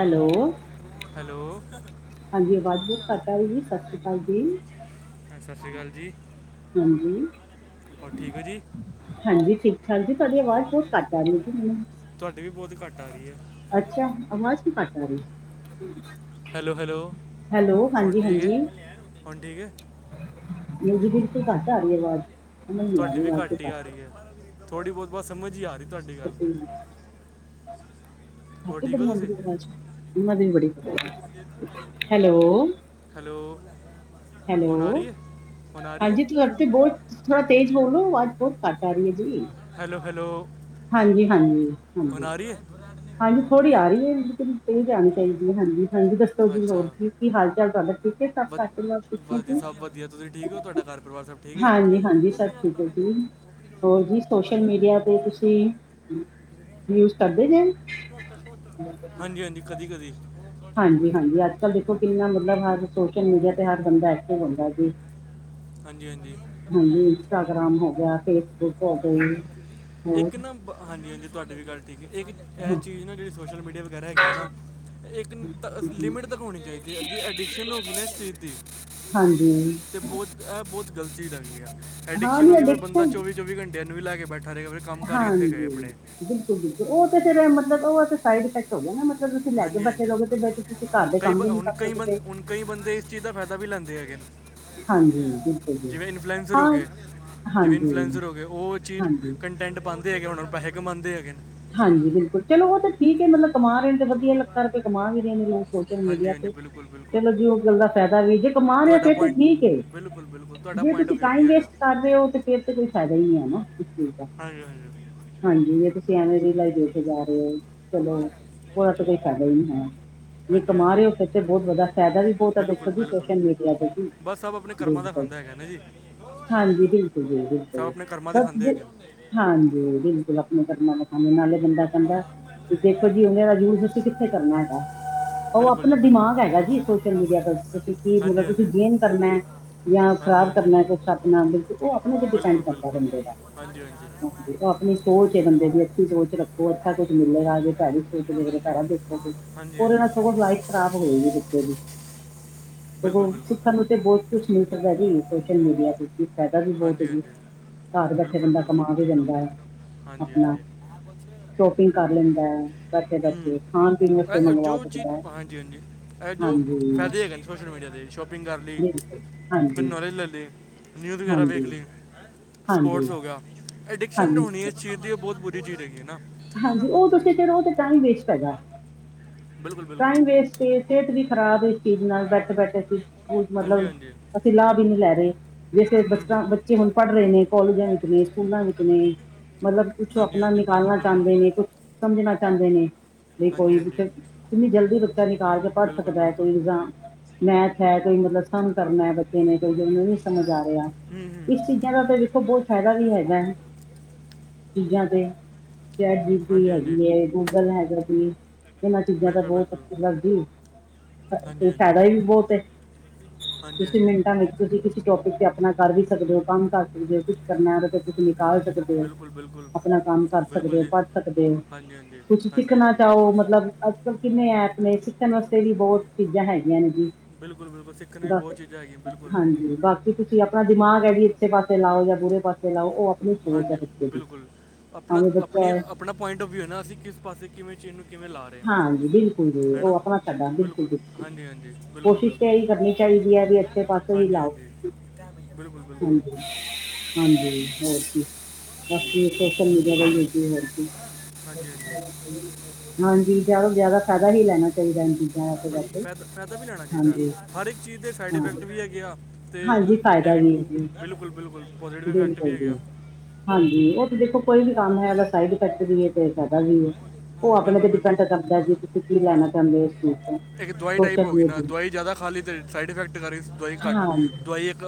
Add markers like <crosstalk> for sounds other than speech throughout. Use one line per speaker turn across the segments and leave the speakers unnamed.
Hello
hello
ਹਾਂਜੀ ਆਵਾਜ਼ ਬਹੁਤ ਘਟ ਆ ਰਹੀ ਜੀ ਸਤਿ ਸ਼੍ਰੀ ਅਕਾਲ ਜੀ
ਸਤਿ ਸ਼੍ਰੀ ਅਕਾਲ ਜੀ।
ਹੂੰ
ਹੋਰ ਠੀਕ ਹੋ ਜੀ
ਹਾਂਜੀ ਠੀਕ ਠਾਕ ਜੀ ਤੁਹਾਡੀ ਆਵਾਜ਼ ਬਹੁਤ ਘੱਟ ਆਦੀ ਜੀ ਮੈਨੂੰ
ਤੁਹਾਡੀ ਵੀ ਬਹੁਤ ਘੱਟ ਆ ਰਹੀ ਹੈ
ਅੱਛਾ ਅਵਾਜ ਕਿਉ ਘੱਟ ਆ ਰਹੀ
ਹੈਲੋ ਹੈਲੋ
ਹੈਲੋ
ਹਣ ਠੀਕ ਹੈ ਹੁਣ ਠੀਕ ਹੈ
ਮੰਮੀ ਜੀ ਬਿਲਕੁਲ ਘੱਟ ਆ ਰਹੀ ਏ ਆਵਾਜ਼ ਸਮਝ ਨਹੀਂ ਆ
ਤੁਹਾਡੀ
ਰਹੀ
ਵੀ
ਆਵਾਜ਼ ਤੇ
ਘੱਟ ਹੀ ਆ ਰਹੀ ਹੈ ਥੋੜ੍ਹੀ ਬਹੁਤ ਬਤ ਸਮਝ ਹੀ ਆ ਰਹੀ ਤੁਹਾਡੀ ਗੱਲ
ਘੱਟ
ਹੋਰ
ਹੀ
ਠੀਕ ਹੋ
ਬੜੀ ਆਉਦੀ
ਤੁਸੀਂ
ਪਈ ਏ ਅਵਾਜ ੜੀ ਹੈਲੋ
ਹੈਲੋ ਹੁਣ ਆ
ਹੈਲੋ
ਰਹੀ ਹੈ ਹੁਣ ਆ ਰਹੀ
ਹਾਂਜੀ ਤੁ
ਹੈ
ਇਥੇ ਬੋਲ ਥੋੜਾ ਤੇਜ਼ ਬੋਲੋ ਆਵਾਜ ਬਹੁਤ ਘੱਟ ਆ ਰਹੀ ਹੈ ਜੀ
ਹੈਲੋ ਹੈਲੋ
ਹਾਂਜੀ ਹਾਂਜੀ
ਹੁਣ
ਹਾਂਜੀ
ਆ ਰਹੀ ਹੈ
ਹਾਂਜੀ ਥੋੜ੍ਹੀ ਆ ਰਹੀ ਹੈ ਤੈਨੂੰ ਜਾਣੀ ਚਾਹੀਦੀ ਹੈ ਹਾਂਜੀ ਹਾਂਜੀ ਦੱਸੋ ਜੀ ਹੋਰ
ਅੱਛਾ
ਕੀ ਕੀ ਹਾਲ ਚਾਲ ਤੁਹਾ
ਵਧ ਵਧੀਆ ਸਭ ਵਧੀਆ ਤੁਸੀਂ ਠੀਕ ਹੋ ਤੁਹਾਡਾ ਘਰ ਪਰਿਵਾਰ ਸਭ ਠੀਕ
ਹਾਂਜੀ
ਹੈ
ਹਾਂਜੀ ਸਭ ਠੀਕ ਹੈ ਜ ਹੋਰ ਜੀ ਸੋਸ਼ਲ ਮੀਡੀਆ 'ਤੇ ਤੁਸੀਂ ਯੂਜ ਕਰਦੇ ਜੇ
ਹਾਂਜੀ ਹਾਂਜੀ ਕਦੀ ਕਦੀ
ਹਾਂਜੀ ਹਾਂਜੀ ਅੱਜ ਕੱਲ ਦੇਖੋ ਕਿੰਨਾ ਮਤਲਬ ਹਰ ਸੋਸ਼ਲ ਮੀਡੀਆ ਤੇ ਹਰ ਬੰਦਾ ਇਥੇ ਹੁੰਦਾ ਜੀ <unintelligible>
ਹਾਂਜੀ ਹਾਂਜੀ
ਹਾਂਜੀ ਇੰਸਟਾਗ੍ਰਾਮ ਹੋ ਗਿਆ ਫੇਸਬੁੱਕ ਹੋ ਗਈ ਹੋਰ
ਇੱਕ ਨਾ ਹਾਂਜੀ ਹਾਂਜੀ ਤੁਹਾਡੀ ਵੀ ਗੱਲ ਠੀਕ ਹੈ ਇੱਕ ਇਹ ਚੀਜ਼ ਨਾ ਜਿਹੜੀ ਸੋਸ਼ਲ ਮੀਡੀਆ ਵਗੈਰਾ ਹੈਗੀ ਹੈ ਨਾ ਇੱਕ
ਹਾਂਜੀ
ਲਿਮਿਟ ਤੱਕ ਹੋਣੀ ਚਾਹੀਦੀ ਹੈ ਜੇ ਅਡਿਕਸ਼ਨ ਹੋ ਗਈ ਨਾ ਇਸ ਚੀਜ਼ ਦੀ
ਹਾਂਜੀ
ਅਤੇ ਬਹੁਤ ਇਹ ਬਹੁਤ ਗਲਤ ਚੀਜ਼ ਹੈਗੀ ਐ
ਹਾਂ
ਐਡਿਕਸ਼ਨ
ਨਹੀਂ
ਹੋ ਗਈ ਫਿਰ ਬੰਦਾ
ਅਡਿਕਸ਼ਨ
ਚੌਵੀ ਚੌਵੀ ਘੰਟਿਆਂ ਨੂੰ ਵੀ ਲੈ ਕੇ ਬੈਠੇ
ਹਾਂਜੀ ਬਿਲਕੁਲ ਬਿਲਕੁਲ ਉਹ ਤੇ ਫਿਰ ਮਤਲਬ ਉਹ ਤੇ ਸਾਈਡ ਇਫੈਕਟ ਨਾ ਮਤਲਬ ਤੁਸੀਂ ਲੈ ਕੇ
ਹਾਂਜੀ
ਬੈਠੇ
ਹਾਂਜੀ
ਰਹੋਗੇ ਤੇ ਬੈ ਤੁਸੀਂ ਘਰ ਦੇ
ਕਈ
ਕੰਮ
ਬ-
ਵੀ ਨੀ
ਹੁਣ
ਕਰ
ਕਈ
ਸਕਦੇ
ਬੰਦ
ਤੇ
ਹੁਣ ਕਈ ਬੰਦੇ ਇਸ ਚੀਜ਼ ਦਾ ਫਾਇਦਾ ਵੀ ਲੈਂਦੇ ਹੈਗੇ ਨੇ
ਹਾਂਜੀ ਬਿਲਕੁਲ ਜੀ
ਜਿਵੇਂ ਇਨਫੈਨਸਰ ਹੋ
ਹਾਂ
ਜੇ ਜਿਵੇਂ
ਹਾਂਜੀ
ਇਨਫਲੂਐਂਸਰ ਹੋ ਗਏ ਉਹ ਚੀਜ਼
ਹਾਂਜੀ
ਕੰਟੈਂਟ ਪਾਉਂਦੇ ਹੈਗੇ ਉਹਨਾਂ ਨੂੰ ਪੈਸੇ ਕਮਾਉਂਦੇ ਹੈਗੇ ਨੇ
ਹਾਂਜੀ ਬਿਲਕੁਲ ਚਲੋ ਉਹ ਤਾਂ ਠੀਕ ਹੈ ਮਤਲਬ ਕਮਾ ਰਹੇ ਨੇ ਤੇ ਵਧੀਆ ਲੱਗਾ ਰਏ ਕਮਾ ਵੀ ਰਹੇ ਮੇਨੂੰ ਸੋਸ਼ਲ
ਹਾਂਜੀ
ਮੀਡੀਆ
ਹਾਂਜੀ
ਤੇ
ਬਿਲਕੁਲ
ਚਲੋ
ਬਿਲਕੁਲ
ਜੀ ਉਹ ਗੱਲ ਦਾ ਫਾਇਦਾ ਵੀ ਜੇ ਕਮਾ ਰਿਹਾ
ਤੁਹਾਡਾ
ਫਿਰ ਤੇ
ਪੁਆਇੰਟ
ਠੀਕ
ਬਿਲਕੁਲ
ਹੈ
ਬਿਲਕੁਲ ਤੁਹਾਡਾ
ਜੇ
ਪੁਆਇੰਟ ਆਫ
ਤੁਸੀਂ
ਕੀ
ਟਾਈਮ
ਹੈਗਾ
ਵੇਸਟ ਕਰ ਰਹੇ ਹੋ ਤਾਂ ਫਿਰ ਤਾਂ ਕੋਈ ਫਾਇਦਾ ਹੀ ਨਹੀਂ ਹੈ ਨਾ ਇਸ ਚੀਜ਼ ਦਾ
ਹਾਂਜੀ ਹਾਂਜੀ
ਹਾਂਜੀ ਇਹ ਸਿਆਣੇ ਦੀ ਲਾਈ ਦੇ ਕੇ ਜਾ ਰਹੇ ਹੋ ਚਲੋ ਉਹ ਤਾਂ ਕੋਈ ਫੈਦਾ ਹੀ ਹੈ ਜ ਕਮਾ
ਹਾਂਜੀ ਹਾਂਜੀ
ਰਹੇ ਹੋ ਇੱਥੇ ਬਹੁਤ ਵਾ ਫਾਇਦਾ ਵੀ ਬਹੁਤ ਆ ਦੇਖੋ
ਬਿਲਕੁਲ
ਜੀ
ਬਿਲਕੁਲ
ਸੋਸ਼ਲ ਮੀਡੀਆ ਤੇ
ਬਸ ਸਭ ਆਪਣੇ ਕਰਮਾਂ
ਬਿਲਕੁਲ
ਖਾਂਦਾ ਹੈਗਾ ਨਾ ਜੀ
ਹਾਂਜੀ ਬਿਲਕੁਲ ਬਿਲਕੁਲ
ਸਭ
ਸਹੀ
ਆਪਣੇ ਕਰਮਾਂ ਦੇ ਖਾਂਦੇ
ਹ
ਹੈਗੇ
ਹਾਂਜੀ ਬਿਲਕੁਲ ਆਪਣੇ ਘਮ ਸਣੇ ਨਾਲੇ ਬੰਦਾ ਕਦਾ ਦੇਖੋ ਜੀ ਉਹ ਦਾ ਜ਼ੂਰ ਤੁ ਕਿੱਥੇ ਕਰਨਾ ਹੈਗਾ ਉਹ
ਬਿਲਕੁਲ ਜੀ
ਆਪਣਾ
ਬਿਲਕੁਲ
ਦਿਮਾਗ ਹੈਗਾ ਜੀ ਸੋਸ਼ਲ ਮੀਡੀਆ ਦਾ ਤੁਸੀਂ ਕੀ ਮਤਲਬ
ਹਾਂਜੀ
ਤੁਸੀਂ
ਹਾਂਜੀ
ਗੇਨ ਕਰਨਾ ਹੈ ਜਾਂ
ਹਾਂਜੀ
ਖ਼ਰਾਬ
ਹਾਂਜੀ
ਕਰਨਾ ਕੁਛ ਆਪਣਾ ਬਕ ਉਹ ਆਪਣੇ ਤੇ ਡਿਪੈਂਡ
ਬਿਲਕੁਲ
ਕਰਦਾ
ਬਿਲਕੁਲ
ਬੰਦੇ ਦਾ
ਹਾਂਜੀ ਹਾਂਜੀ
ਉਹ ਆਪਣੀ ਸੋਚ ਏ ਬੰਦੇ ਦੀ ਅੱਛੀ ਸੋਚ ਰੱਖੋ ਅੱਛਾ ਕੁੱਛ ਮਿਲੇਗਾ ਜੇ ਤੁਹਾਡੀ ਪ ਦੇੋਗੇ ਉਹਦੇ ਨਾਲ
ਹਾਂਜੀ
ਬੋਲਨਾ
ਹਾਂਜੀ
ਸਗੋ ਸਗਾਈ ਖਰਾਬ ਹੋਏਗੀ ਬੱਚੇ ਦੀ ਦੇਖੋ
ਬਿਲਕੁਲ ਬਿਲਕੁਲ
ਸਿੱਖਾਂ ਨੂੰ ਅਤੇ ਬਹੁਤ ਕੁਛ ਮਿਲ ਸਕਦਾ ਜੀ ਸੋਸ਼ਲ ਮੀਡੀਆ ਦੇ ਫਾਇਦਾ ਵੀ ਬਹੁਤ ਹੈ
ਹਾਂਜੀ
ਜੀ ਘਰ
ਹਾਂਜੀ
ਬੈਠੇ
ਬਿਲਕੁਲ
ਬੰਦਾ
ਬਿਲਕੁਲ
ਕਮਾ ਕੇ ਦਿੰਦਾ ਏ
ਹਾਂਜੀ
ਆਪਨਾ
ਹਾਂਜੀ
ਸ਼ੋਪਿੰਗ ਕਰ ਲੈਂਂਦਾ
ਹੁ ਜੋ ਚੀਜ਼
ਸਕਦਾ ਹੈ
ਹਾਂਜੀ ਹਾਂਜੀ ਇਹ ਜੋ
ਹਾਂਜੀ
ਫਾਇਦੇ ਹੈਗੇ ਨੇ ਸੋਸ਼ਲ ਮੀਡੀਆ ਦੇ ਕਰ ਲਈ
ਬਿਲਕੁਲ ਹਾਂਜੀ
ਨੌਲੈਜ ਲੈ ਲਈ ਨਿਊਜ਼ ਵਗੈਰਾ ਵੇਖ
ਹਾਂਜੀ
ਲਈ
ਹਾਂਜੀ
ਸਪੋਰਟਸ ਹੋ ਗਿਆ ਏਡਿਕਸ਼ਨ
ਹਾਂਜੀ
ਹੋਣੀ
ਸਰ
ਏਸ ਚੀਜ਼ ਦੀ ਉਹ ਬਹੁਤ ਬੁਰੀ ਚੀਜ਼ ਹੈਗੀ ਹੈ ਨਾ
ਹਾਂਜੀ ਉਹ ਤੁਸੀਂ ਤੇ ਫਿਰ ਉਹ ਤੇ ਟਾਈਮ ਵੇਸਟ ਹੈਗਾ
ਬਿਲਕੁਲ ਬਿਲਕੁਲ
ਟਾਈਮ ਵੇਸਟ ਤੇ ਸਿਹਤ ਵੀ ਖ਼ਰਾਬ ਇਸ ਚੀਜ਼ ਨਾਲ ਬੈਠੇ ਬੈਠੇ ਸੀ
ਹਾਂਜੀ
ਮਤਲਬ
ਹਾਂਜੀ
ਅਸੀਂ ਲਾਹ ਵੀ ਨਹੀਂ ਲੈ ਰਹੇ ਜੇਸੇ ਬਚ
ਹੂੰ ਹੂੰ
ਬੱਚੇ ਹੁਣ ਪੜ੍ਹ ਰਹੇ ਨੇ ਕਾੱਲੇਜਾਂ ਵਿੱਚ ਨੇ ਸਕੂਲਾਂ ਵਿੱਚ ਨੇ ਮਤਲਬ ਕੁਛ
ਹਾਂਜੀ
ਅਪਨਾ
ਹਾਂਜੀ ਬਿਲਕੁਲ
ਨਿਕਾਲਨਾ
ਬਿਲਕੁਲ
ਚਾਹੁੰਦੇ ਨੇ ਕੁ ਸਮਝਣਾ ਚਾਹਦੇ ਨੇ ਵੀ
ਹਾਂਜੀ
ਕੋਈ ਬ
ਹਾਂਜੀ
ਕਿੰਨੀ ਜਲਦੀ ਬੱਚਾ ਨਿਕਾਲ ਕੇ ਪੜ੍ਹ
ਬਿਲਕੁਲ
ਸਕਦਾ ਏ
ਬਿਲਕੁਲ
ਕੋਈ ਮੈਥ ਹੈ ਕੋਈ ਮਤਲਬ ਕੰਮ ਕਰਨਾ ਬੱਚੇ ਨੇ ਕੋਈ ਜ ਸਮਝ ਆ ਰਿਹਾ
ਹੂੰ
ਇਸ
ਹੂੰ
ਚੀਜ਼ਾਂ ਦਾ ਤੇ ਬਹੁਤ ਫਾਇਦਾ ਵੀ ਹੈਗਾ ਚੀਜ਼ਾਂ ਤੇ ਚੈਟ ਜੀ ਪੀ ਟੀ
ਹਾਂਜੀ ਹਾਂਜੀ
ਹੈਗੀ ਏ ਗੂਗਲ ਹੈਗਾ ਜੀ ਇਹਨਾਂ ਚੀਜ਼ਾਂ ਤਾਂ
ਬਿਲਕੁਲ
ਬਹੁਤ
ਬਿਲਕੁਲ
ਅੱਛ ਲ ਜੀ <unintelligible>
ਹਾਂਜੀ ਹਾਂਜੀ
ਫਾਇਦਾ ਵੀ ਬਹੁਤ ਏ
ਹਾਂਜੀ
ਤੁਸੀਂ ਮਿੰਟਾਂ
ਹਾਂਜੀ
ਚ ਤੁਸੀਂ ਕਿਸੇ ਟੋਪਿਕ ਤੇ ਅਪਨਾ ਕਰ ਵੀ ਸਕਦੇ ਹੋ ਕੰਮ ਕਰ ਸਕਦੇ ਹੋ ਕਰਨਾ ਤੇ ਤੁਸੀਂ ਨਿਕਾਲ ਸਕਦੇ ਹੋ
ਬਿਲਕੁਲ ਬਿਲਕੁਲ
ਆਪਣਾ ਕੰਮ ਕਰ
ਬਿਲਕੁਲ
ਸਕਦੇ ਹੋ
ਜੀ
ਪੜ ਸਕਦੇ ਹੋ
ਹਾਂਜੀ ਹਾਂਜੀ
ਕੁਛ
ਹਾਂਜੀ
ਸਿੱਖਨਾ
ਹਾਂਜੀ
ਚਾਹੋ ਮਤਲਬ ਅੱਜਕਲ ਕਿੰਨੇ ਐਪ ਨੇ ਸਿੱਖਣ ਵਾਸਤੇ ਵੀ ਬਹੁਤ ਚੀਜ਼ਾਂ ਹੈਗੀਆਂ ਨੇ ਜੀ
ਬਿਲਕੁਲ ਬਿਲਕੁਲ ਸਿੱਖਣ ਨੂੰ ਵੀ
ਦੱਸ
ਬਹੁਤ ਚੀਜ਼ਾਂ ਹੈਗੀਆਂ ਬਿਲਕੁਲ
ਹਾਂਜੀ ਬਾਕ ਤੁਸੀਂ ਆਪਣਾ ਦਿਮਾਗ ਹੈ ਵੀ ਅੱਛੇ ਪਾਸੇ ਲਾਓ ਜਾਂ ਬੁਰੇ ਪਾਸੇ ਲਓ ਉਹ ਆਪਣੀ ਸੋਚ ਹੈ
ਹਾਂਜੀ
ਬੱਚੇ ਦੀ
ਬਿਲਕੁਲ ਆਪਣਾ
ਭਾਵੇਂ ਬੱਚਾ
ਆਪਣੀ
ਹੈ
ਆਪਣਾ ਪੁਆਇੰਟ ਆਫ ਵਿਊ ਏ ਨਾ ਅਸੀਂ ਕਿਸ ਪਾਸੇ ਕਿਵੇਂ ਚੀਜ਼ ਨੂੰ ਕਿਵੇਂ ਲਾ ਰਹੇ
ਹਾਂਜੀ, ਬਿਲਕੁਲ ਜੀ
ਹਾਂ ਹੈ
ਉਹ
ਨਾ
ਆਪਣਾ ਫੈਦਾ ਬਿਲਕੁਲ ਬਿਲਕੁਲ
ਹਾਂਜੀ ਹਾਂਜੀ ਬਿਲਕੁਲ
ਕੋਸ਼ਿਸ਼ ਤੇ
ਬਿਲਕੁਲ
ਹੀ ਕਰਨੀ ਚਾਹੀਦੀ ਹੈ ਵੀ ਅੱਛੇ ਪਾਸੇ ਹੀ
ਹਾਂਜੀ
ਲਾਓ
ਹਾਂਜੀ ਬਿਲਕੁਲ ਬਿਲਕੁ
ਹਾਂਜੀ ਹਾਂਜੀ ਹੋਰ ਕੀ ਬਸ ਸੋਸ਼ਲ ਮੀਡੀਆ ਦਾ ਅੱਛਾ
ਹਾਂਜੀ ਹਾਂਜੀ
<unintelligible> ਹਾਂਜੀ ਜ਼ਿਆਦਾ ਤੋਂ ਜ਼ਿਆਦਾ ਫਾਇਦਾ ਹੀ ਲੈਨਾ ਚਾਹੀਦਾ ਇਹਨਾਂ ਚੀਜ਼ਾਂ ਦਾ
ਬਿਲ-
ਤੇ
ਫਾਇਦਾ ਫਾਇਦਾ ਵੀ ਲੈਣਾ ਚਾਹੀਦਾ
ਹਾਂਜੀ
ਹਰ ਇੱਕ ਚੀਜ਼ ਦੇ ਸਾਈਡ
ਹਾਂ
ਇਫੈਕਟ ਵੀ ਹੈਗੇ ਆ ਤੇ
ਹਾਂਜੀ ਫਾਇਦਾ
ਨੈਗੇਟਿ
ਵੀ ਹੈ ਜੀ
ਬਿਲਕੁਲ ਬਿਲਕੁਲ ਪੋਜ਼ੀਟਿਵ ਦੇ ਇਫੈਕਟ ਵੀ
ਬਿਲਕੁਲ
ਹੈਗੇ ਆ
ਜੀ ਹਾਂਜੀ ਉਹ ਤੇ ਦੇਖੋ ਕੋਈ ਵੀ ਕੰਮ ਹੈ ੳਦਾ ਸਾਈਡ ਇਫੈਕਟ ਵੀ ਏ ਤੇ ਫਾਇਦਾ ਵੀ ਉਹ ਆਪਣੇ
ਬਿਲਕੁਲ
ਤੇ ਡਿਪੈਂਡ
ਬਿਲਕੁਲ
ਕਰਦਾ ਜੀ ਤੁਸੀਂ ਕੀ ਲੈਨਾ ਚਾਹੁੰਦੇ ਹੋ ਇਸ ਚੀਜ਼ ਤੋਂ
ਇੱਕ ਦਵਾਈ ਟਾਈਪ ਹੋ
ਸੋਸ਼ਲ
ਗਈ ਨਾ
ਮੀਡੀਆ
ਦਵਾਈ ਜ਼ਿਆਦਾ ਖਾ ਲਈ ਤੇ ਸਾਈਡ ਇਫੈਕਟ ਕਰੀ ਦਵਾਈ ਘੱਟ ਦਵਾਈ ਇੱਕ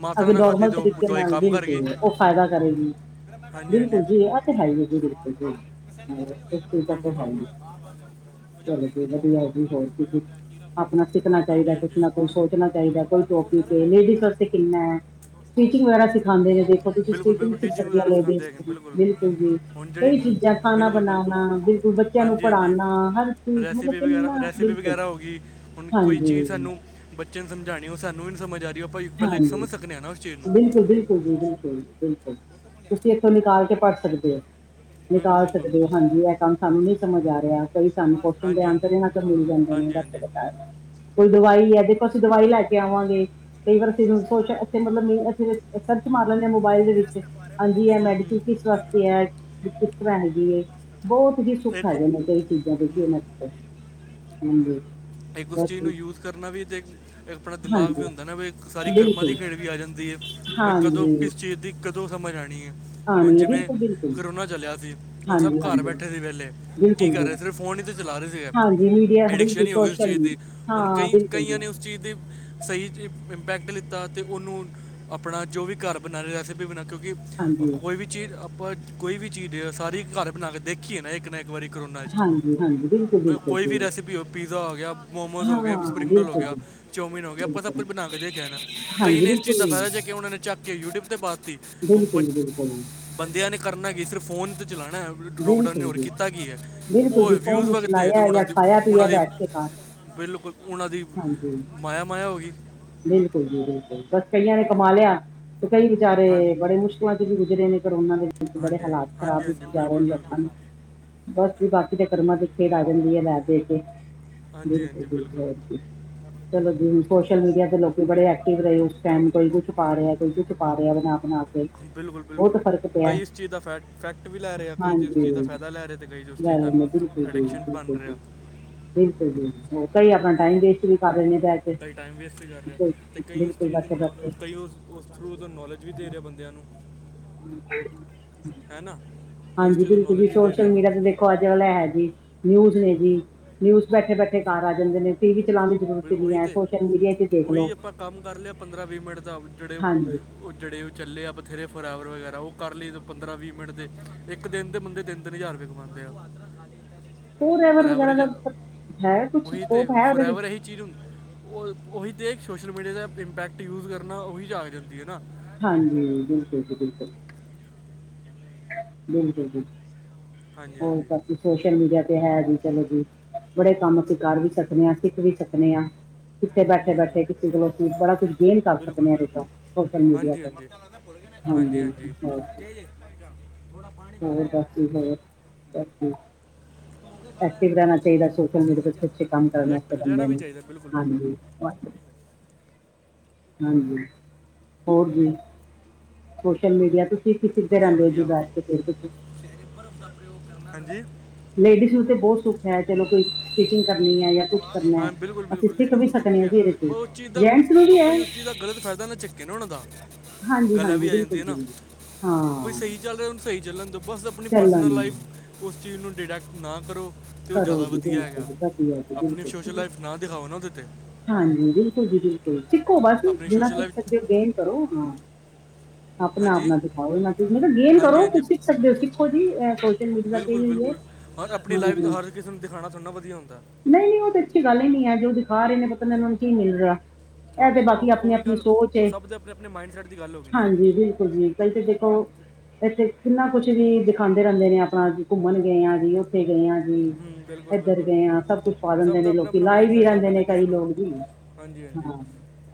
ਮਾਤਰਾ
ਅਗੇ
ਨਾਲ ਖਾਧੀ
ਨੋਰਮਲ
ਤੇ ਉਹ
ਤਰੀਕੇ
ਦਵਾਈ
ਨਾਲ
ਕੰਮ ਕਰ ਗਈ
ਬਿਲਕੁਲ ਉਹ ਫਾਇਦਾ ਕਰੇਗੀ
ਹਾਂਜੀ ਹਾਂਜੀ
ਬਿਲਕੁਲ ਜੀ ਇਹ ਤੇ ਹੈ ਈ ਏ ਜੀ ਬਿਲਕੁਲ ਜੀ ਇਸ ਚੀਜ਼ ਦਾ ਤੇ
ਬਿਲਕੁਲ
ਹੈ
ਬਿਲਕੁਲ
ਈ ਏ ਚਲੋ ਜੀ ਵਧੀਆ ਜੀ ਹੋਰ ਕੀ ਅਪਨਾ ਸਿੱਖਣਾ ਚਾਹੀਦਾ
ਹਾਂਜੀ
ਕੁਛ
ਹਾਂਜੀ
ਨਾ ਕੁਛ ਸੋਚਣਾ ਚਾਹੀਦਾ ਕੋਈ ਚ ਵਾ ਕਿੰਨਾ ਸਟਿਚਿੰਗ ਵਗੈਰਾ ਸ <unintelligible> ਖਾਂਦੇ ਨੇ ਦੇਖੋ ਤੁਸੀਂ
ਬਿਲਕੁਲ
ਸਿਖ
ਬਿਲਕੁਲ
ਨੀ
ਟੀਚਿੰਗ
ਸਕਦੀਆਂ
ਵਗੈਰਾ ਸਿਖਾਉਂਦੇ
ਲੇਡੀਜ਼
ਹੈਗੇ ਨੇ,
ਬਿਲਕੁਲ ਜੀ
ਹੁਣ ਜਿਹੜੀ
ਕਈ ਚੀਜ਼ਾਂ ਖਾਨਾ
ਬਿਲਕੁਲ ਬਿਲਕੁਲ
ਬਨਾਨਾ, ਬਿਲਕੁਲ ਬੱਚਿਆਂ ਨੂੰ
ਹਾਂਜੀ ਹਾਂਜੀ
ਪੜ੍ਹਾਣਾ, ਹਰ ਚੀਜ਼ ਮਤਲਬ
ਰੈਸਿਪੀ
ਕਿੰਨਾ
ਵਗੈਰਾ ਰੈਸਿਪੀ
ਬਿਲਕੁਲ
ਵਗੈਰਾ ਹੋ ਗਈ ਹੁਣ ਕੋਈ ਚੀਜ਼
ਹਾਂਜੀ
ਸਾਨੂੰ ਬੱਚਿਆਂ ਨੂੰ ਸਮਝਾਣੀ ਉਹ ਸਾਨੂੰ ਵੀ ਨਹੀਂ ਸਮਝ ਆ ਰਹੀ ਉਹ ਆਪਾਂ ਪਹਿਲੇ
ਹਾਂਜੀ,
ਸਮਝ ਸਕਨੇ ਆ ਨਾ ਉਸ ਚੀਜ਼ ਨੂੰ
ਬਿਲੁ ਬਿਲਕੁਲ ਜੀ ਬਿਲਕੁਲ, ਬਿਲਕੁਲ ਤੁਸੀਂ ਇੱਥੋਂ ਨਿਕਾਲ ਕੇ ਪੜ੍ਹ ਸਕਦੇ ਹੋ।
ਬਿਲਕੁਲ
ਨਿਕਾਲ
ਬਿਲਕੁਲ
ਸਕਦੇ ਹੋ ਹਾਂਜੀ, ਇਹ ਕੰਮ ਸਾਨੂੰ ਨੀ ਸਮਝ ਆ ਰਿਹਾ ਕਈ ਸਾਨੂੰ ਕੋਸ਼ਚਨ ਦੇ
ਹਾਂਜੀ
ਆਂਸਰ
ਹਾਂਜੀ
ਨਾ ਮਿਲ ਜਾਂਦੇ ਨੇ
ਹਾਂਜੀ ਹਾਂਜੀ ਹੂੰ
<unintelligible> ਕੋਈ ਦਵਾਈ ਏ ਦੇਖੋ ਅਸੀਂ ਦਵਾਈ ਲੈ ਕੇ ਆਵਾਂਗੇ, ਕਈ ਵਾਰ ਅਸੀਂ ਸੋਚ ਇੱਥੇ ਮਤਲਬ ਅਸੀਂ ਸਰਚ ਮਾਰ ਲੈਂਦੇ ਆ ਮੋਬਾਇਲ ਦੇ ਵਿੱਚ ਹਾਂਜੀ ਇਹ ਮੈਡੀਕਲ
ਹੂੰ
ਕਿਸ ਕਿਸ ਵਾਸਤੇ ਏ, ਕਿਸ ਤਰ੍ਹਾਂ ਹੈਗੀ ਏ। ਬਹੁਤ ਹੀ ਸੁੱਖ
ਇੱਕ
ਹੇਗੇ ਨੇ ਕਈ ਚੀਜ਼ਾਂ ਦੇ ਕਿ, ਹਾਂਜੀ।
ਇੱਕ ਉਸ
ਬਸ
ਚੀਜ਼ ਨੂੰ
ਜੀ,
ਯੂਜ ਕਰਨਾ ਵੀ ਤੇ ਆਪਣਾ ਦਿਮਾਗ
ਹਾਂਜੀ
ਵੀ ਹੁੰਦਾ ਨਾ ਬਈ ਸਾਰੀ ਕਰਮਾਂ ਦੀ
ਬਿਲਕੁਲ
ਖੇਡ ਵੀ ਆ ਜਾਂਦੀ ਐ ਬਈ ਕਦੋਂ
ਹਾਂਜੀ
ਕਿਸ ਚੀਜ਼ ਦੀ ਕ ਉਦੋਂ ਸਮਝ ਆਣੀ ਏ ਹੁਣ
ਆਣੀ ਹੈ
ਜਿਵੇਂ
ਬਿਲਕੁਲ ਬਿਲਕੁਲ
ਕਰੋਨਾ ਚਲਿਆ ਸੀ। ਹੁਣ ਸਭ
ਹਾਂਜੀ ਹਾਂਜੀ
ਘਰ ਬੈਠੇ ਸੀ ਵਿਹਲੇ ਕੀ
ਬਿਲਕੁਲ
ਕਰ
ਜੀ
ਰਹੇ ਸੀ ਸਿਰਫ ਫੋਨ ਹੀ ਤੇ ਚਲਾ ਰਹੇ ਸੀਗੇ।
ਹਾਂਜੀ ਮੀਡੀਆ
ਪੁੱਛਿਆਂ
ਬਿਲਕੁਲ
ਨਹੀਂ ਹੋਊ ਉਸ
ਸੋਸ਼ਲ
ਚੀਜ਼ ਦੀ ਹੁਣ
ਹਾਂ
ਕਈ
ਬਿਲਕੁਲ ਜੀ
ਕਈਆਂ ਨੇ ਉਸ ਚੀਜ਼ ਦੀ ਸਹੀ ਜੇ ਇੰਪੈਕਟ ਲਿੱਤਾ ਤੇ ਉਹਨੂੰ ਆਪਣਾ ਜੋ ਵੀ ਘਰ ਬਣਾ ਰਹੇ ਰੈਸਪੀ ਬਣਾ ਕਿਉਂਕਿ
ਹਾਂਜੀ
ਕੋਈ ਵੀ ਚੀਜ਼ ਆਪਾਂ ਕੋਈ ਵੀ ਚੀਜ਼ ਸਾਰੀ ਘਰ ਬਣਾ ਕੇ ਦੇਖੀਏ ਨਾ ਇਕ ਨਾ ਇਕ ਵਾਰੀ ਕਰੋ
ਹਾਂਜੀ- ਹਾਂਜੀ ਬਿਲਕੁਲ -ਬਿਲਕੁਲ
ਵੀ ਹੋ ਪੀਜ਼ਾ ਹੋ ਗਿਆ ਮੋਮੋਸ ਹੋ ਗਏ
ਹਾਂ
ਸਪਰਿੰਗ ਰੋਲ ਹੋ
ਬਿਲਕੁਲ
ਗਿਆ
ਜੀ
ਚੋਮਿਨ ਹੋ ਗਿਆ ਆਪਾਂ ਸਭ
ਬਿਲਕੁਲ
ਕੁਛ ਬਣਾ ਕੇ ਦੇਖਣੇ ਆ ਨਾ। ਕਈ
ਹਾਂਜੀ
ਨੇ ਇਸ
ਬਿਲਕੁਲ
ਚੀਜ਼ ਦਾ
ਜੀ,
ਫਾਇਦਾ ਚੱਕਿਆ ਉਹਨਾਂ ਨੇ ਚੱਕ ਕੇ ਯੂਟਿਊਬ ਤੇ ਪਾ ਤੀ ਹੁਣ ਬ
ਬਿਲਕੁਲ ਜੀ, ਬਿਲਕੁਲ ਜੀ,
ਬੰਦਿਆਂ ਨੇ ਕਰਨਾ ਕੀ ਸਿਰਫ ਫੋਨ ਤੇ ਚਲਾਣਾ।
ਬਿਲਕੁਲ
ਲੋਕਡਾਊਨ ਹੋਰ
ਜੀ
ਕੀਤਾ ਕੀ ਏ
ਬਿਲਕੁਲ
ਹੋਰ
ਜੀ
ਵਿਊਜ਼
ਫੋਨ
ਵਧਦੇ ਤੇ
ਚਲਾਇਆ
ਉਹਨਾਂ
ਜਾਂ
ਦੀ
ਖਾਇਆ
ਉਹਨਾਂ
ਪੀਆ
ਦੀ
ਬੈਠ ਕੇ ਘਰ
ਬਿਲਕੁਲ ਉਹਨਾਂ ਦੀ
ਹਾਂਜੀ
ਮਾਇਆ- ਮਾਇਆ ਹੋ ਗੀ।
ਬਿਲਕੁਲ ਜੀ ਬਿਲਕੁਲ ਬਸ ਕਈਆਂ ਨੇ ਕਮਾ ਲਿਆ ਤੇ ਕਈ ਵਿਚਾਰੇ
ਹਾਂ-
ਬੜੇ ਮੁਸ਼ਕਲਾਂ 'ਚ ਵੀ ਗੁਜ਼ਰੇ ਨੇ। ਕਰੋਨਾ ਦੇ ਵਿੱਚ ਬੜੇ
ਹਾਂਜੀ
ਹਾਲਾਤ
ਹਾਂਜੀ
ਖ਼ਰਾਬ
ਹਾਂਜੀ
ਜਾ ਰਹੇ
ਬਿਲਕੁਲ
ਨੇ ਲੋਕਾਂ
ਬਿਲਕੁਲ
ਨੂੰ ਬਸ ਜੀ ਬਾਕੀ ਤਾਂ ਕਰਮਾਂ ਦੀ ਖੇਡ ਆ ਜਾਂਦੀ ਏ ਲੈ ਦੇ ਕੇ
ਹਾਂਜੀ
ਬਿਲਕੁਲ-
ਹਾਂਜੀ
ਬਿਲਕੁਲ ਜੀ। ਚਲੋ ਜੀ ਸੋਸ਼ਲ ਮੀਡੀਆ ਤੇ ਲੋਕੀ ਬੜੇ ਐਕਟਿਵ ਰਹੇ ਉਸ ਟਾਈਮ ਕੋਈ ਕੁਛ ਪਾ ਰਿਹਾ
ਹਾਂਜੀ
ਕੋਈ ਕੁਛ ਪਾ ਰਿਹਾ ਬਣਾ-ਬਣਾ
ਬਿਲਕੁਲ -ਬਿਲਕੁਲ ਕਈ ਇਸ ਚੀਜ਼ ਦਾ ਫੈ ਫੈਕਟ ਵੀ ਲੈ ਰਹੇ ਆ ਕਈ ਉਸ ਚੀਜ਼ ਦਾ
ਹਾਂਜੀ
ਫਾਇਦਾ ਲੈ ਰਹੇ ਤੇ ਕਈ ਉਸ ਚੀਜ਼
ਗੱਲ
ਦਾ
ਨੇ ਬਿਲਕੁਲ- ਬਿਲਕੁਲ
ਐਡਿਕਸ਼ਨ ਬਣ
-ਬਿਲਕੁਲ
ਰਿਹਾ
ਜੀ- ਬਿਲਕੁਲ ਜੀ ਕਈ ਆਪਣਾ
ਹੂੰ
ਟਾਈਮ ਵੇਸਟ ਵੀ ਕਰ ਰਹੇ ਬਹਿ ਕੇ
ਕਈ ਟਾਈਮ ਵੇਸਟ ਕਰ ਅਤੇ ਕਈ ਉਸ
ਬਿਲਕੁਲ
ਚੀਜ਼
ਬੈਠੇ
ਨੂੰ
ਬੈਠੇ
ਕਈ ਉਸ ਥਰੂ ਦਾ ਨੌਲੇਜ ਵੀ ਦੇ ਰਹੇ ਬੰਦਿਆਂ ਨੂੰ
<inaudible>
ਹੈ ਨਾ। ਕਈ ਉਸ
ਹਾਂਜੀ
ਚੀਜ਼ ਤੋਂ
ਬਿਲਕੁਲ ਜੀ
ਨੌਲੇਜ ਵੀ ਦੇ
ਸੋਸ਼ਲ
ਰਿਹਾ
ਮੀਡੀਆ ਤੇ ਦੇਖ ਦੇਖੋ ਅੱਜ ਵਾਲਾ ਹੈ ਜੀ ਨਿਊਜ਼ ਨੇ ਜੀ ਨਿਊਜ਼ ਬੈਠੇ- ਬੈਠੇ ਘਰ ਆ ਜਾਂਦੇ ਨੇ ਟੀ ਵੀ ਚਲਾਣ
ਉਹੀ ਤੇ ਉਹੀ ਆਪਾਂ ਕੰਮ ਕਰ ਲਿਆ ਪੰਦਰਾਂ ਵੀਹ ਮਿੰਟ ਦਾ ਜਿਹੜੇ
ਹਾਂਜੀ
ਉਹ ਜਿਹੜੇ ਉਹ ਚੱਲੇ ਆ ਬਥੇਰੇ ਫਰਾਵਰ ਵਗੈਰਾ ਉਹ ਕਰ ਲਈਏ ਪੰਦਰਾਂ ਵੀਹ ਮਿੰਟ ਦੇ ਇੱਕ ਦਿਨ ਦੇ ਬੰਦੇ ਤਿੰਨ- ਤਿੰਨ ਹਜ਼ਾਰ ਰੁਪਏ <unintelligible>
ਉਹ ਡਰਾਈਵਰ
ਫੋਰਐਵਰ
ਵਗੈਰਾ
ਹੀ
ਦਾ
ਜਾ-
ਹੈ ਕੁਛ
ਉਹੀ ਤੇ
ਸੋਪ ਹੈ ਉਹਦੇ
ਫੋਰਐਵਰ
ਵਿੱਚ
ਇਹੀ ਚੀਜ਼ ਹੁੰ ਉਹੀਂ ਤੇ ਸੋਸ਼ਲ ਮੀਡੀਆ ਦਾ ਇੰਪੈਕਟ ਯੂਜ ਕਰਨਾ ਉਹੀ ਜਾਗ ਜਾਂਦੀ ਹੈ ਨਾ।
ਹਾਂਜੀ ਬਿਲਕੁਲ ਜੀ ਬਿਲਕੁਲ ਬਿਲਕੁਲ ਜੀ
ਹਾਂਜੀ
ਹੋਰ
ਹਾਂਜੀ
ਬਾਕੀ ਸੋਸ਼ਲ ਮੀਡੀਆ ਤੇ ਹੈ ਜੀ ਚਲੋ ਜੀ। ਬੜੇ ਕੰਮ ਅਸੀ ਕਰ ਵੀ ਸਕਣੇ ਹਾਂ ਸਿੱਖ ਵੀ ਸਕਣੇ ਹਾਂ। ਕਿੱਥੇ ਬੈਠੇ-
ਹੂੰ
ਬੈਠੇੇ
ਹੂੰ
ਕਿਸੇ ਕੋਲ ਅਸੀ ਬੜਾ ਕੁਛ ਗੇਨ ਕਰ
ਬਿਲਕੁਲ
ਸਕਦੇ
ਬਿਲਕੁਲ
ਸੋਸ਼ਲ ਮੀਡੀਆ
ਹਾਂਜੀ
ਤੇ
ਹਾਂਜੀ
ਹਾਂਜੀ ਹੋਰ ਬਸ ਜੀ ਹੋਰ ਐਕਟਿਵ- ਐਕਟਿਵ ਰਹਿਣਾ ਚਾਹੀਦਾ ਸੋਸ਼ਲ ਮੀਡੀਆ ਅਛੇ ਕੰਮ ਕਰਨੇ ਵਾਸਤੇ
ਰੈਕਟ- ਰਹਿਣਾ
ਕਹਿੰਦੇ
ਵੀ
ਨੇ
ਚਾਹੀਦਾ ਬਿਲਕੁਲ
ਹਾਂਜੀ।
ਬਿਲਕੁਲ
ਹਾਂਜੀ ਹੋਰ ਜੀ ਸੋਸ਼ਲ ਮੀਡੀਆ ਕੀ- ਕੀ ਸਿੱਖਦੇ
ਵਧੀਆ
ਰਹਿੰਦੇੇ ਜ
ਵਧੀਆ
ਬਾਦ ਤੇ ਫਿਰ ਤੁਸੀ
ਹਾਂਜੀ
ਲੇਡੀਜ਼ ਨੂੰ ਤੇ ਬਹੁਤ ਸੁੱਖ ਹੈ ਚਲੋ ਕੋਈ ਸਟੀਚਿੰਗ ਕਰਨੀ ਹੈ ਜਾਂ ਕੁਛ ਕਰਨਾ
ਹਾਂ ਬਿਲਕੁਲ
ਅਸੀ
ਬਿਲਕੁਲ
ਸਿੱਖ
ਲੇਡੀਜ਼
ਵੀ
ਨੂੰ ਸੁੱਖ
ਸਕਦੇ ਹਾਂ ਜੈਂਟਸ ਨੂੰ ਵੀ ਹੈ।
ਚੀਜ ਦਾ ਗਲਤ ਫਾਇਦਾ ਨਾ ਚੱਕੇ ਨਾ ਉਹਨਾਂ ਦਾ
ਹਾਂਜੀ
ਗੱਲਾਂ ਐਵੀ
ਹਾਂਜੀ
ਆਈ
ਬਿਲਕੁਲ
ਜਾਂਦੀਆਂ ਨਾ
ਬਿਲਕੁਲ
ਕੋਈ
ਹਾਂ
ਸਹੀ ਚੱਲ ਰਿਹਾ ਸਹੀ ਚੱਲਣ ਦੋ ਬਸ ਆਪਣੀਂ ਪਰਸਨਲ
ਚੱਲਾਂਗੇ
ਲਾਈਫ ਉਸ ਚੀਜ਼ ਨੂੰ ਡਿਟੈਕਟ ਨਾ ਕਰੋ। ਤੇ ਉਹ
ਕਰੋ
ਜ਼ਿਆਦਾ
ਜੀ
ਵਧੀਆ
ਬਿਲਕੁਲ
ਹੈਗਾ,
ਜੀ, ਵਧੀਆ ਜੀ
ਆਪਣੀਂ
ਬਿਲਕੁਲ
ਸੋਸ਼ਲ
ਜੀ,
ਲਾਈਫ ਨਾ ਦਿਖਾਓ ਨਾ ਉਹਦੇ ਤੇ।
ਹਾਂਜੀ ਬਿਲਕੁਲ ਜੀ-ਬਿਲਕੁਲ, ਸਿੱਖੋ ਵਾਧੂ
ਆਪਣੀ
ਜਿੰਨਾ
ਸੋਸ਼ਲ
ਸਿੱਖ
ਲਾਈਫ
ਸਕਦੇ ਹੋ, ਗੇਨ ਕਰੋਂ, ਹਾਂ। ਆਪਣੇ ਆਪ
ਹਾਂਜੀ
ਨਾ ਦਿਖਾਓ, ਇਹ ਤੁਸੀ ਗੇਨ
ਹਾਂਜੀ
ਕਰੋ,
ਹਾਂਜੀ
ਤੁਸੀਂ ਸਿੱਖ ਸਕਦੇ ਹੋ, ਸਿੱਖੋ ਜੀ ਸੋਸ਼ਲ ਮੀਡੀਆ ਤੇ ਹੀ ਨੇ
ਪਰ ਆਪਣੀ ਲਾਈਫ ਚ, ਹਰ ਕਿਸੇ ਨੂੰ ਦਿਖਾਣਾ ਥੋੜ੍ਹਾ ਨਾ ਵਧੀਆ ਹੁੰਦਾ।
ਨਹੀਂ- ਨਹੀਂ ਉਹ ਤਾਂ ਅੱਛੀ ਗੱਲ ਈ ਨਹੀਂ ਐ, ਜੋ ਦਿਖਾ ਰਹੇ ਨੇ, ਪਤਾ ਨੀ ਉਹਨਾਂ ਨੂੰ ਕੀ ਮਿਲ ਰਿਹਾ।
ਹਾਂ
ਇਹ ਤੇ ਬਾਕੀ
ਉਹ ਉਹ
ਆਪਣੀ-
ਵੀ
ਆਪਣੀ
ਗੱਲ
ਸੋਚ
ਉਹ
ਏ,
ਸਭ ਦੇ ਆਪਣੇ ਆਪਣੇ ਮਾਈਂਡਸੈਟ ਦੀ ਗੱਲ ਹੋ ਗਈ ਨਾ ਹੁਣ
ਹਾਂਜੀ ਬਿਲਕੁਲ ਜੀ। ਇਥੇ ਦੇਖੋ, ਇੱਥੇ ਕਿੰਨਾ ਕੁਛ ਵੀ ਦਿਖਾਂਦੇ ਰਹਿੰਦੇ ਨੇ ਆਪਣਾ, ਘੁੰਮਣ ਗਏ ਆ ਜੀ। ਇੱਥੇ ਗਏ ਆ ਜੀ,
ਹੂੰ ਬਿਲਕੁਲ
ਏਧਰ
ਬਿਲਕੁਲ
ਗਏ ਆ, ਸਭ ਕੁਛ ਪਾ
ਸਭ
ਦਿੰਦੇ
ਦਾ
ਨੇ
ਆਪਣਾ
ਲੋਕੀ,
ਆਪਣਾ
ਲਾਈਵ
ਮਾਈਂਡ
ਵੀ
ਸੈਟ ਹੋ
ਰਹਿੰਦੇ
ਗਿਆ ਨਾ
ਨੇ
ਕਿਸ
ਕਈ
ਨੂੰ
ਲੋਕ।
ਹਾਂਜੀ ਹਾਂਜੀ
ਹਾਂ,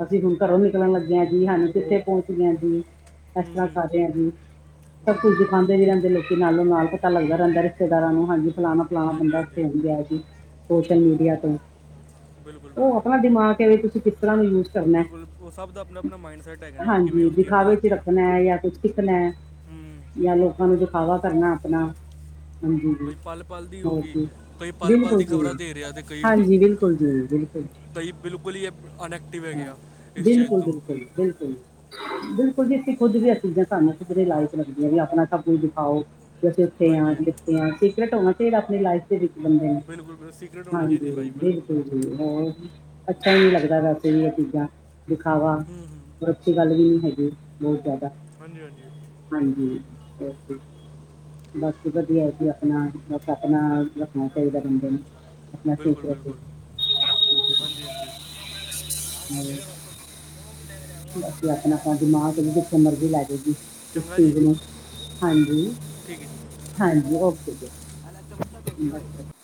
ਅਸੀਂ ਹੁਣ ਘਰੋਂ ਨਿਕਲਣ ਲੱਗਿਆ ਜੀ, ਹਾਂਜੀ ਕਿੱਥੇ ਪਹੁੰਚ ਗਿਆ ਜੀ। ਇਸ
ਹੂੰ
ਤਰ੍ਹਾਂ
ਹੂੰ
ਕਰ ਰੇ ਆ ਜੀ, ਸਭ ਕੁਝ
ਬਿਲਕੁਲ ਬਿਲਕੁਲ
ਦਿਖਾਂਦੇ ਵੀ ਰਹਿੰਦੇ ਲੋਕ। ਨਾਲੋਂ ਨਾਲ ਪਤਾ ਲੱਗਦਾ ਰਹਿੰਦਾ ਰਿਸ਼ਤੇਦਾਰਾਂ ਨੂੰ, ਹਾਂਜੀ ਫਲਾਣਾਂ- ਫਲਾਣਾਂ
ਹਾਂਜੀ
ਬੰਦਾ ਕਿਥੇ
ਹਾਂਜੀ
ਗਿਆ ਸੀ। ਸੋਸ਼ਲ ਮੀਡੀਆ ਤੇ
ਬਿਲਕੁਲ
ਉਹ
ਬਿਲਕੁਲ
ਆਪਣਾ ਦਿਮਾਗ ਐ, ਵੀ ਤੁਸੀਂ ਕਿਸ ਤਰ੍ਹਾਂ ਉਹਨੂੰ ਯੂਜ਼ ਕਰਨਾ,
ਬਿਲਕੁਲ ਉਹ ਸਭ ਦਾ ਆਪਣਾ ਆਪਣਾ ਮਾਈਂਡ ਸੈਟ ਹੈਗਾ ਨਾ ਉਹ ਕਿਵੇਂ
ਹਾਂਜੀ
ਉਸ ਚੀਜ਼ ਨੂੰ
ਦਿਖਾਵੇ ਚ
ਲੈਂਦੇ ਆ
ਰੱਖਣਾ ਜਾਂ ਕੁਛ ਸਿੱਖਣਾ।
ਹੂੰ
ਜਾਂ ਲੋਕਾਂ ਨੂੰ ਦਿਖਾਵਾ ਕਰਨਾ ਆਪਣਾ। ਹੂੰ-ਹੂੰ,
ਬਈ ਪਲ ਪਲ ਦੀ ਹੋਗੀ
ਹਾਂਜੀ ਜੀ
ਕਈ ਪਲ ਪਲ
ਬਿਲਕੁਲ
ਦੀ
ਜੀ,
ਖਬਰਾਂ ਦੇ ਰਿਹਾ ਤੇ ਕਈ
ਹਾਂਜੀ ਬਿਲਕੁਲ ਜੀ, ਬਿਲਕੁਲ
ਕਈ ਬਿਲਕੁਲ ਹੀ ਅਨਐਕਟਿਵ ਹੈਗੇ ਆ, ਇਸ ਚੀਜ਼ ਤੋਂ
ਬਿਲਕੁਲ-ਬਿਲ ਬਿਲਕੁੱਲ ਜੀ, ਅਸੀਂ ਖੁਦ ਵੀ ਇਹ ਚੀਜ਼ਾਂ ਸਾਨੂੰ ਕਿਧਰੇ ਨੀ ਲਾਇਕ ਲੱਗਦੀਆਂ, ਵੀ ਆਪਣਾ ਸਭ ਕੁਝ ਦਿਖਾਓ। ਅਸੀਂ ਉੱਥੇ ਆ,
ਹਾਂਜੀ ਹਾਂਜੀ
ਕਿੱਥੇ ਆਂ, ਸੀਕਰਟ ਹੋਣਾ ਚਾਹੀਦਾ ਆਪਣੀ ਲਾਈਫ ਦੇ ਵਿੱਚ। ਹੂੰ-ਹੂੰ,
ਬਿਲਕੁਲ ਬਿਲਕੁਲ ਸੀਕ੍ਰੇਟ ਹੋਣੀ ਚਾਹੀਦੀ
ਹਾਂਜੀ
ਲਾਈਫ ਬਿਲਕੁਲ
ਬਿਲਕੁੱਲ ਜੀ।
ਬਿਲਕੁਲ
ਹੋਰ, ਅੱਛਾ ਹੀ ਨੀ ਲੱਗਦਾ, ਵੈਸੇ ਵੀ ਇਹ ਚੀਜ਼ਾਂ ਦਿਖਾਵਾ।
ਹੂੰ ਹੂੰ
ਅੱਛੀ ਗੱਲ ਵੀ ਨੀ ਹੈਗੀ, ਬਹੁਤ ਜ਼ਾਦਾ।
ਹਾਂਜੀ- ਹਾਂਜੀ।
ਹਾਂਜੀ, ਓਕੇ। ਬਾਕੀ ਵਧੀਆ ਜੀ, ਆਪਣਾ ਬਸ ਆਪਣਾ ਰੱਖਣਾ ਚਾਹੀਦਾ ਬੰਦੇ ਨੂੰ। ਆਪਣਾ
ਬਿਲਕੁਲ-
ਸੇਫ ਰੱਖੇ
ਬਿਲਕੁਲ, ਹਾਂਜੀ- ਹਾਂਜੀ।
ਔਰ ਬਾਕੀ ਆਪਣਾ- ਆਪਣਾ ਦਿਮਾਗ ਵੀ, ਜਿੱਥੇ ਮਰਜ਼ੀ ਲੈ ਜੋ ਜੀ ਇਸ
ਚੰਗਾ ਜੀ
ਚੀਜ਼ ਨੂੰ। ਹਾਂਜੀ
ਠੀਕ ਹੈ
-ਹਾਂਜੀ, ਓਕੇ ਜੀ।
ਜੀ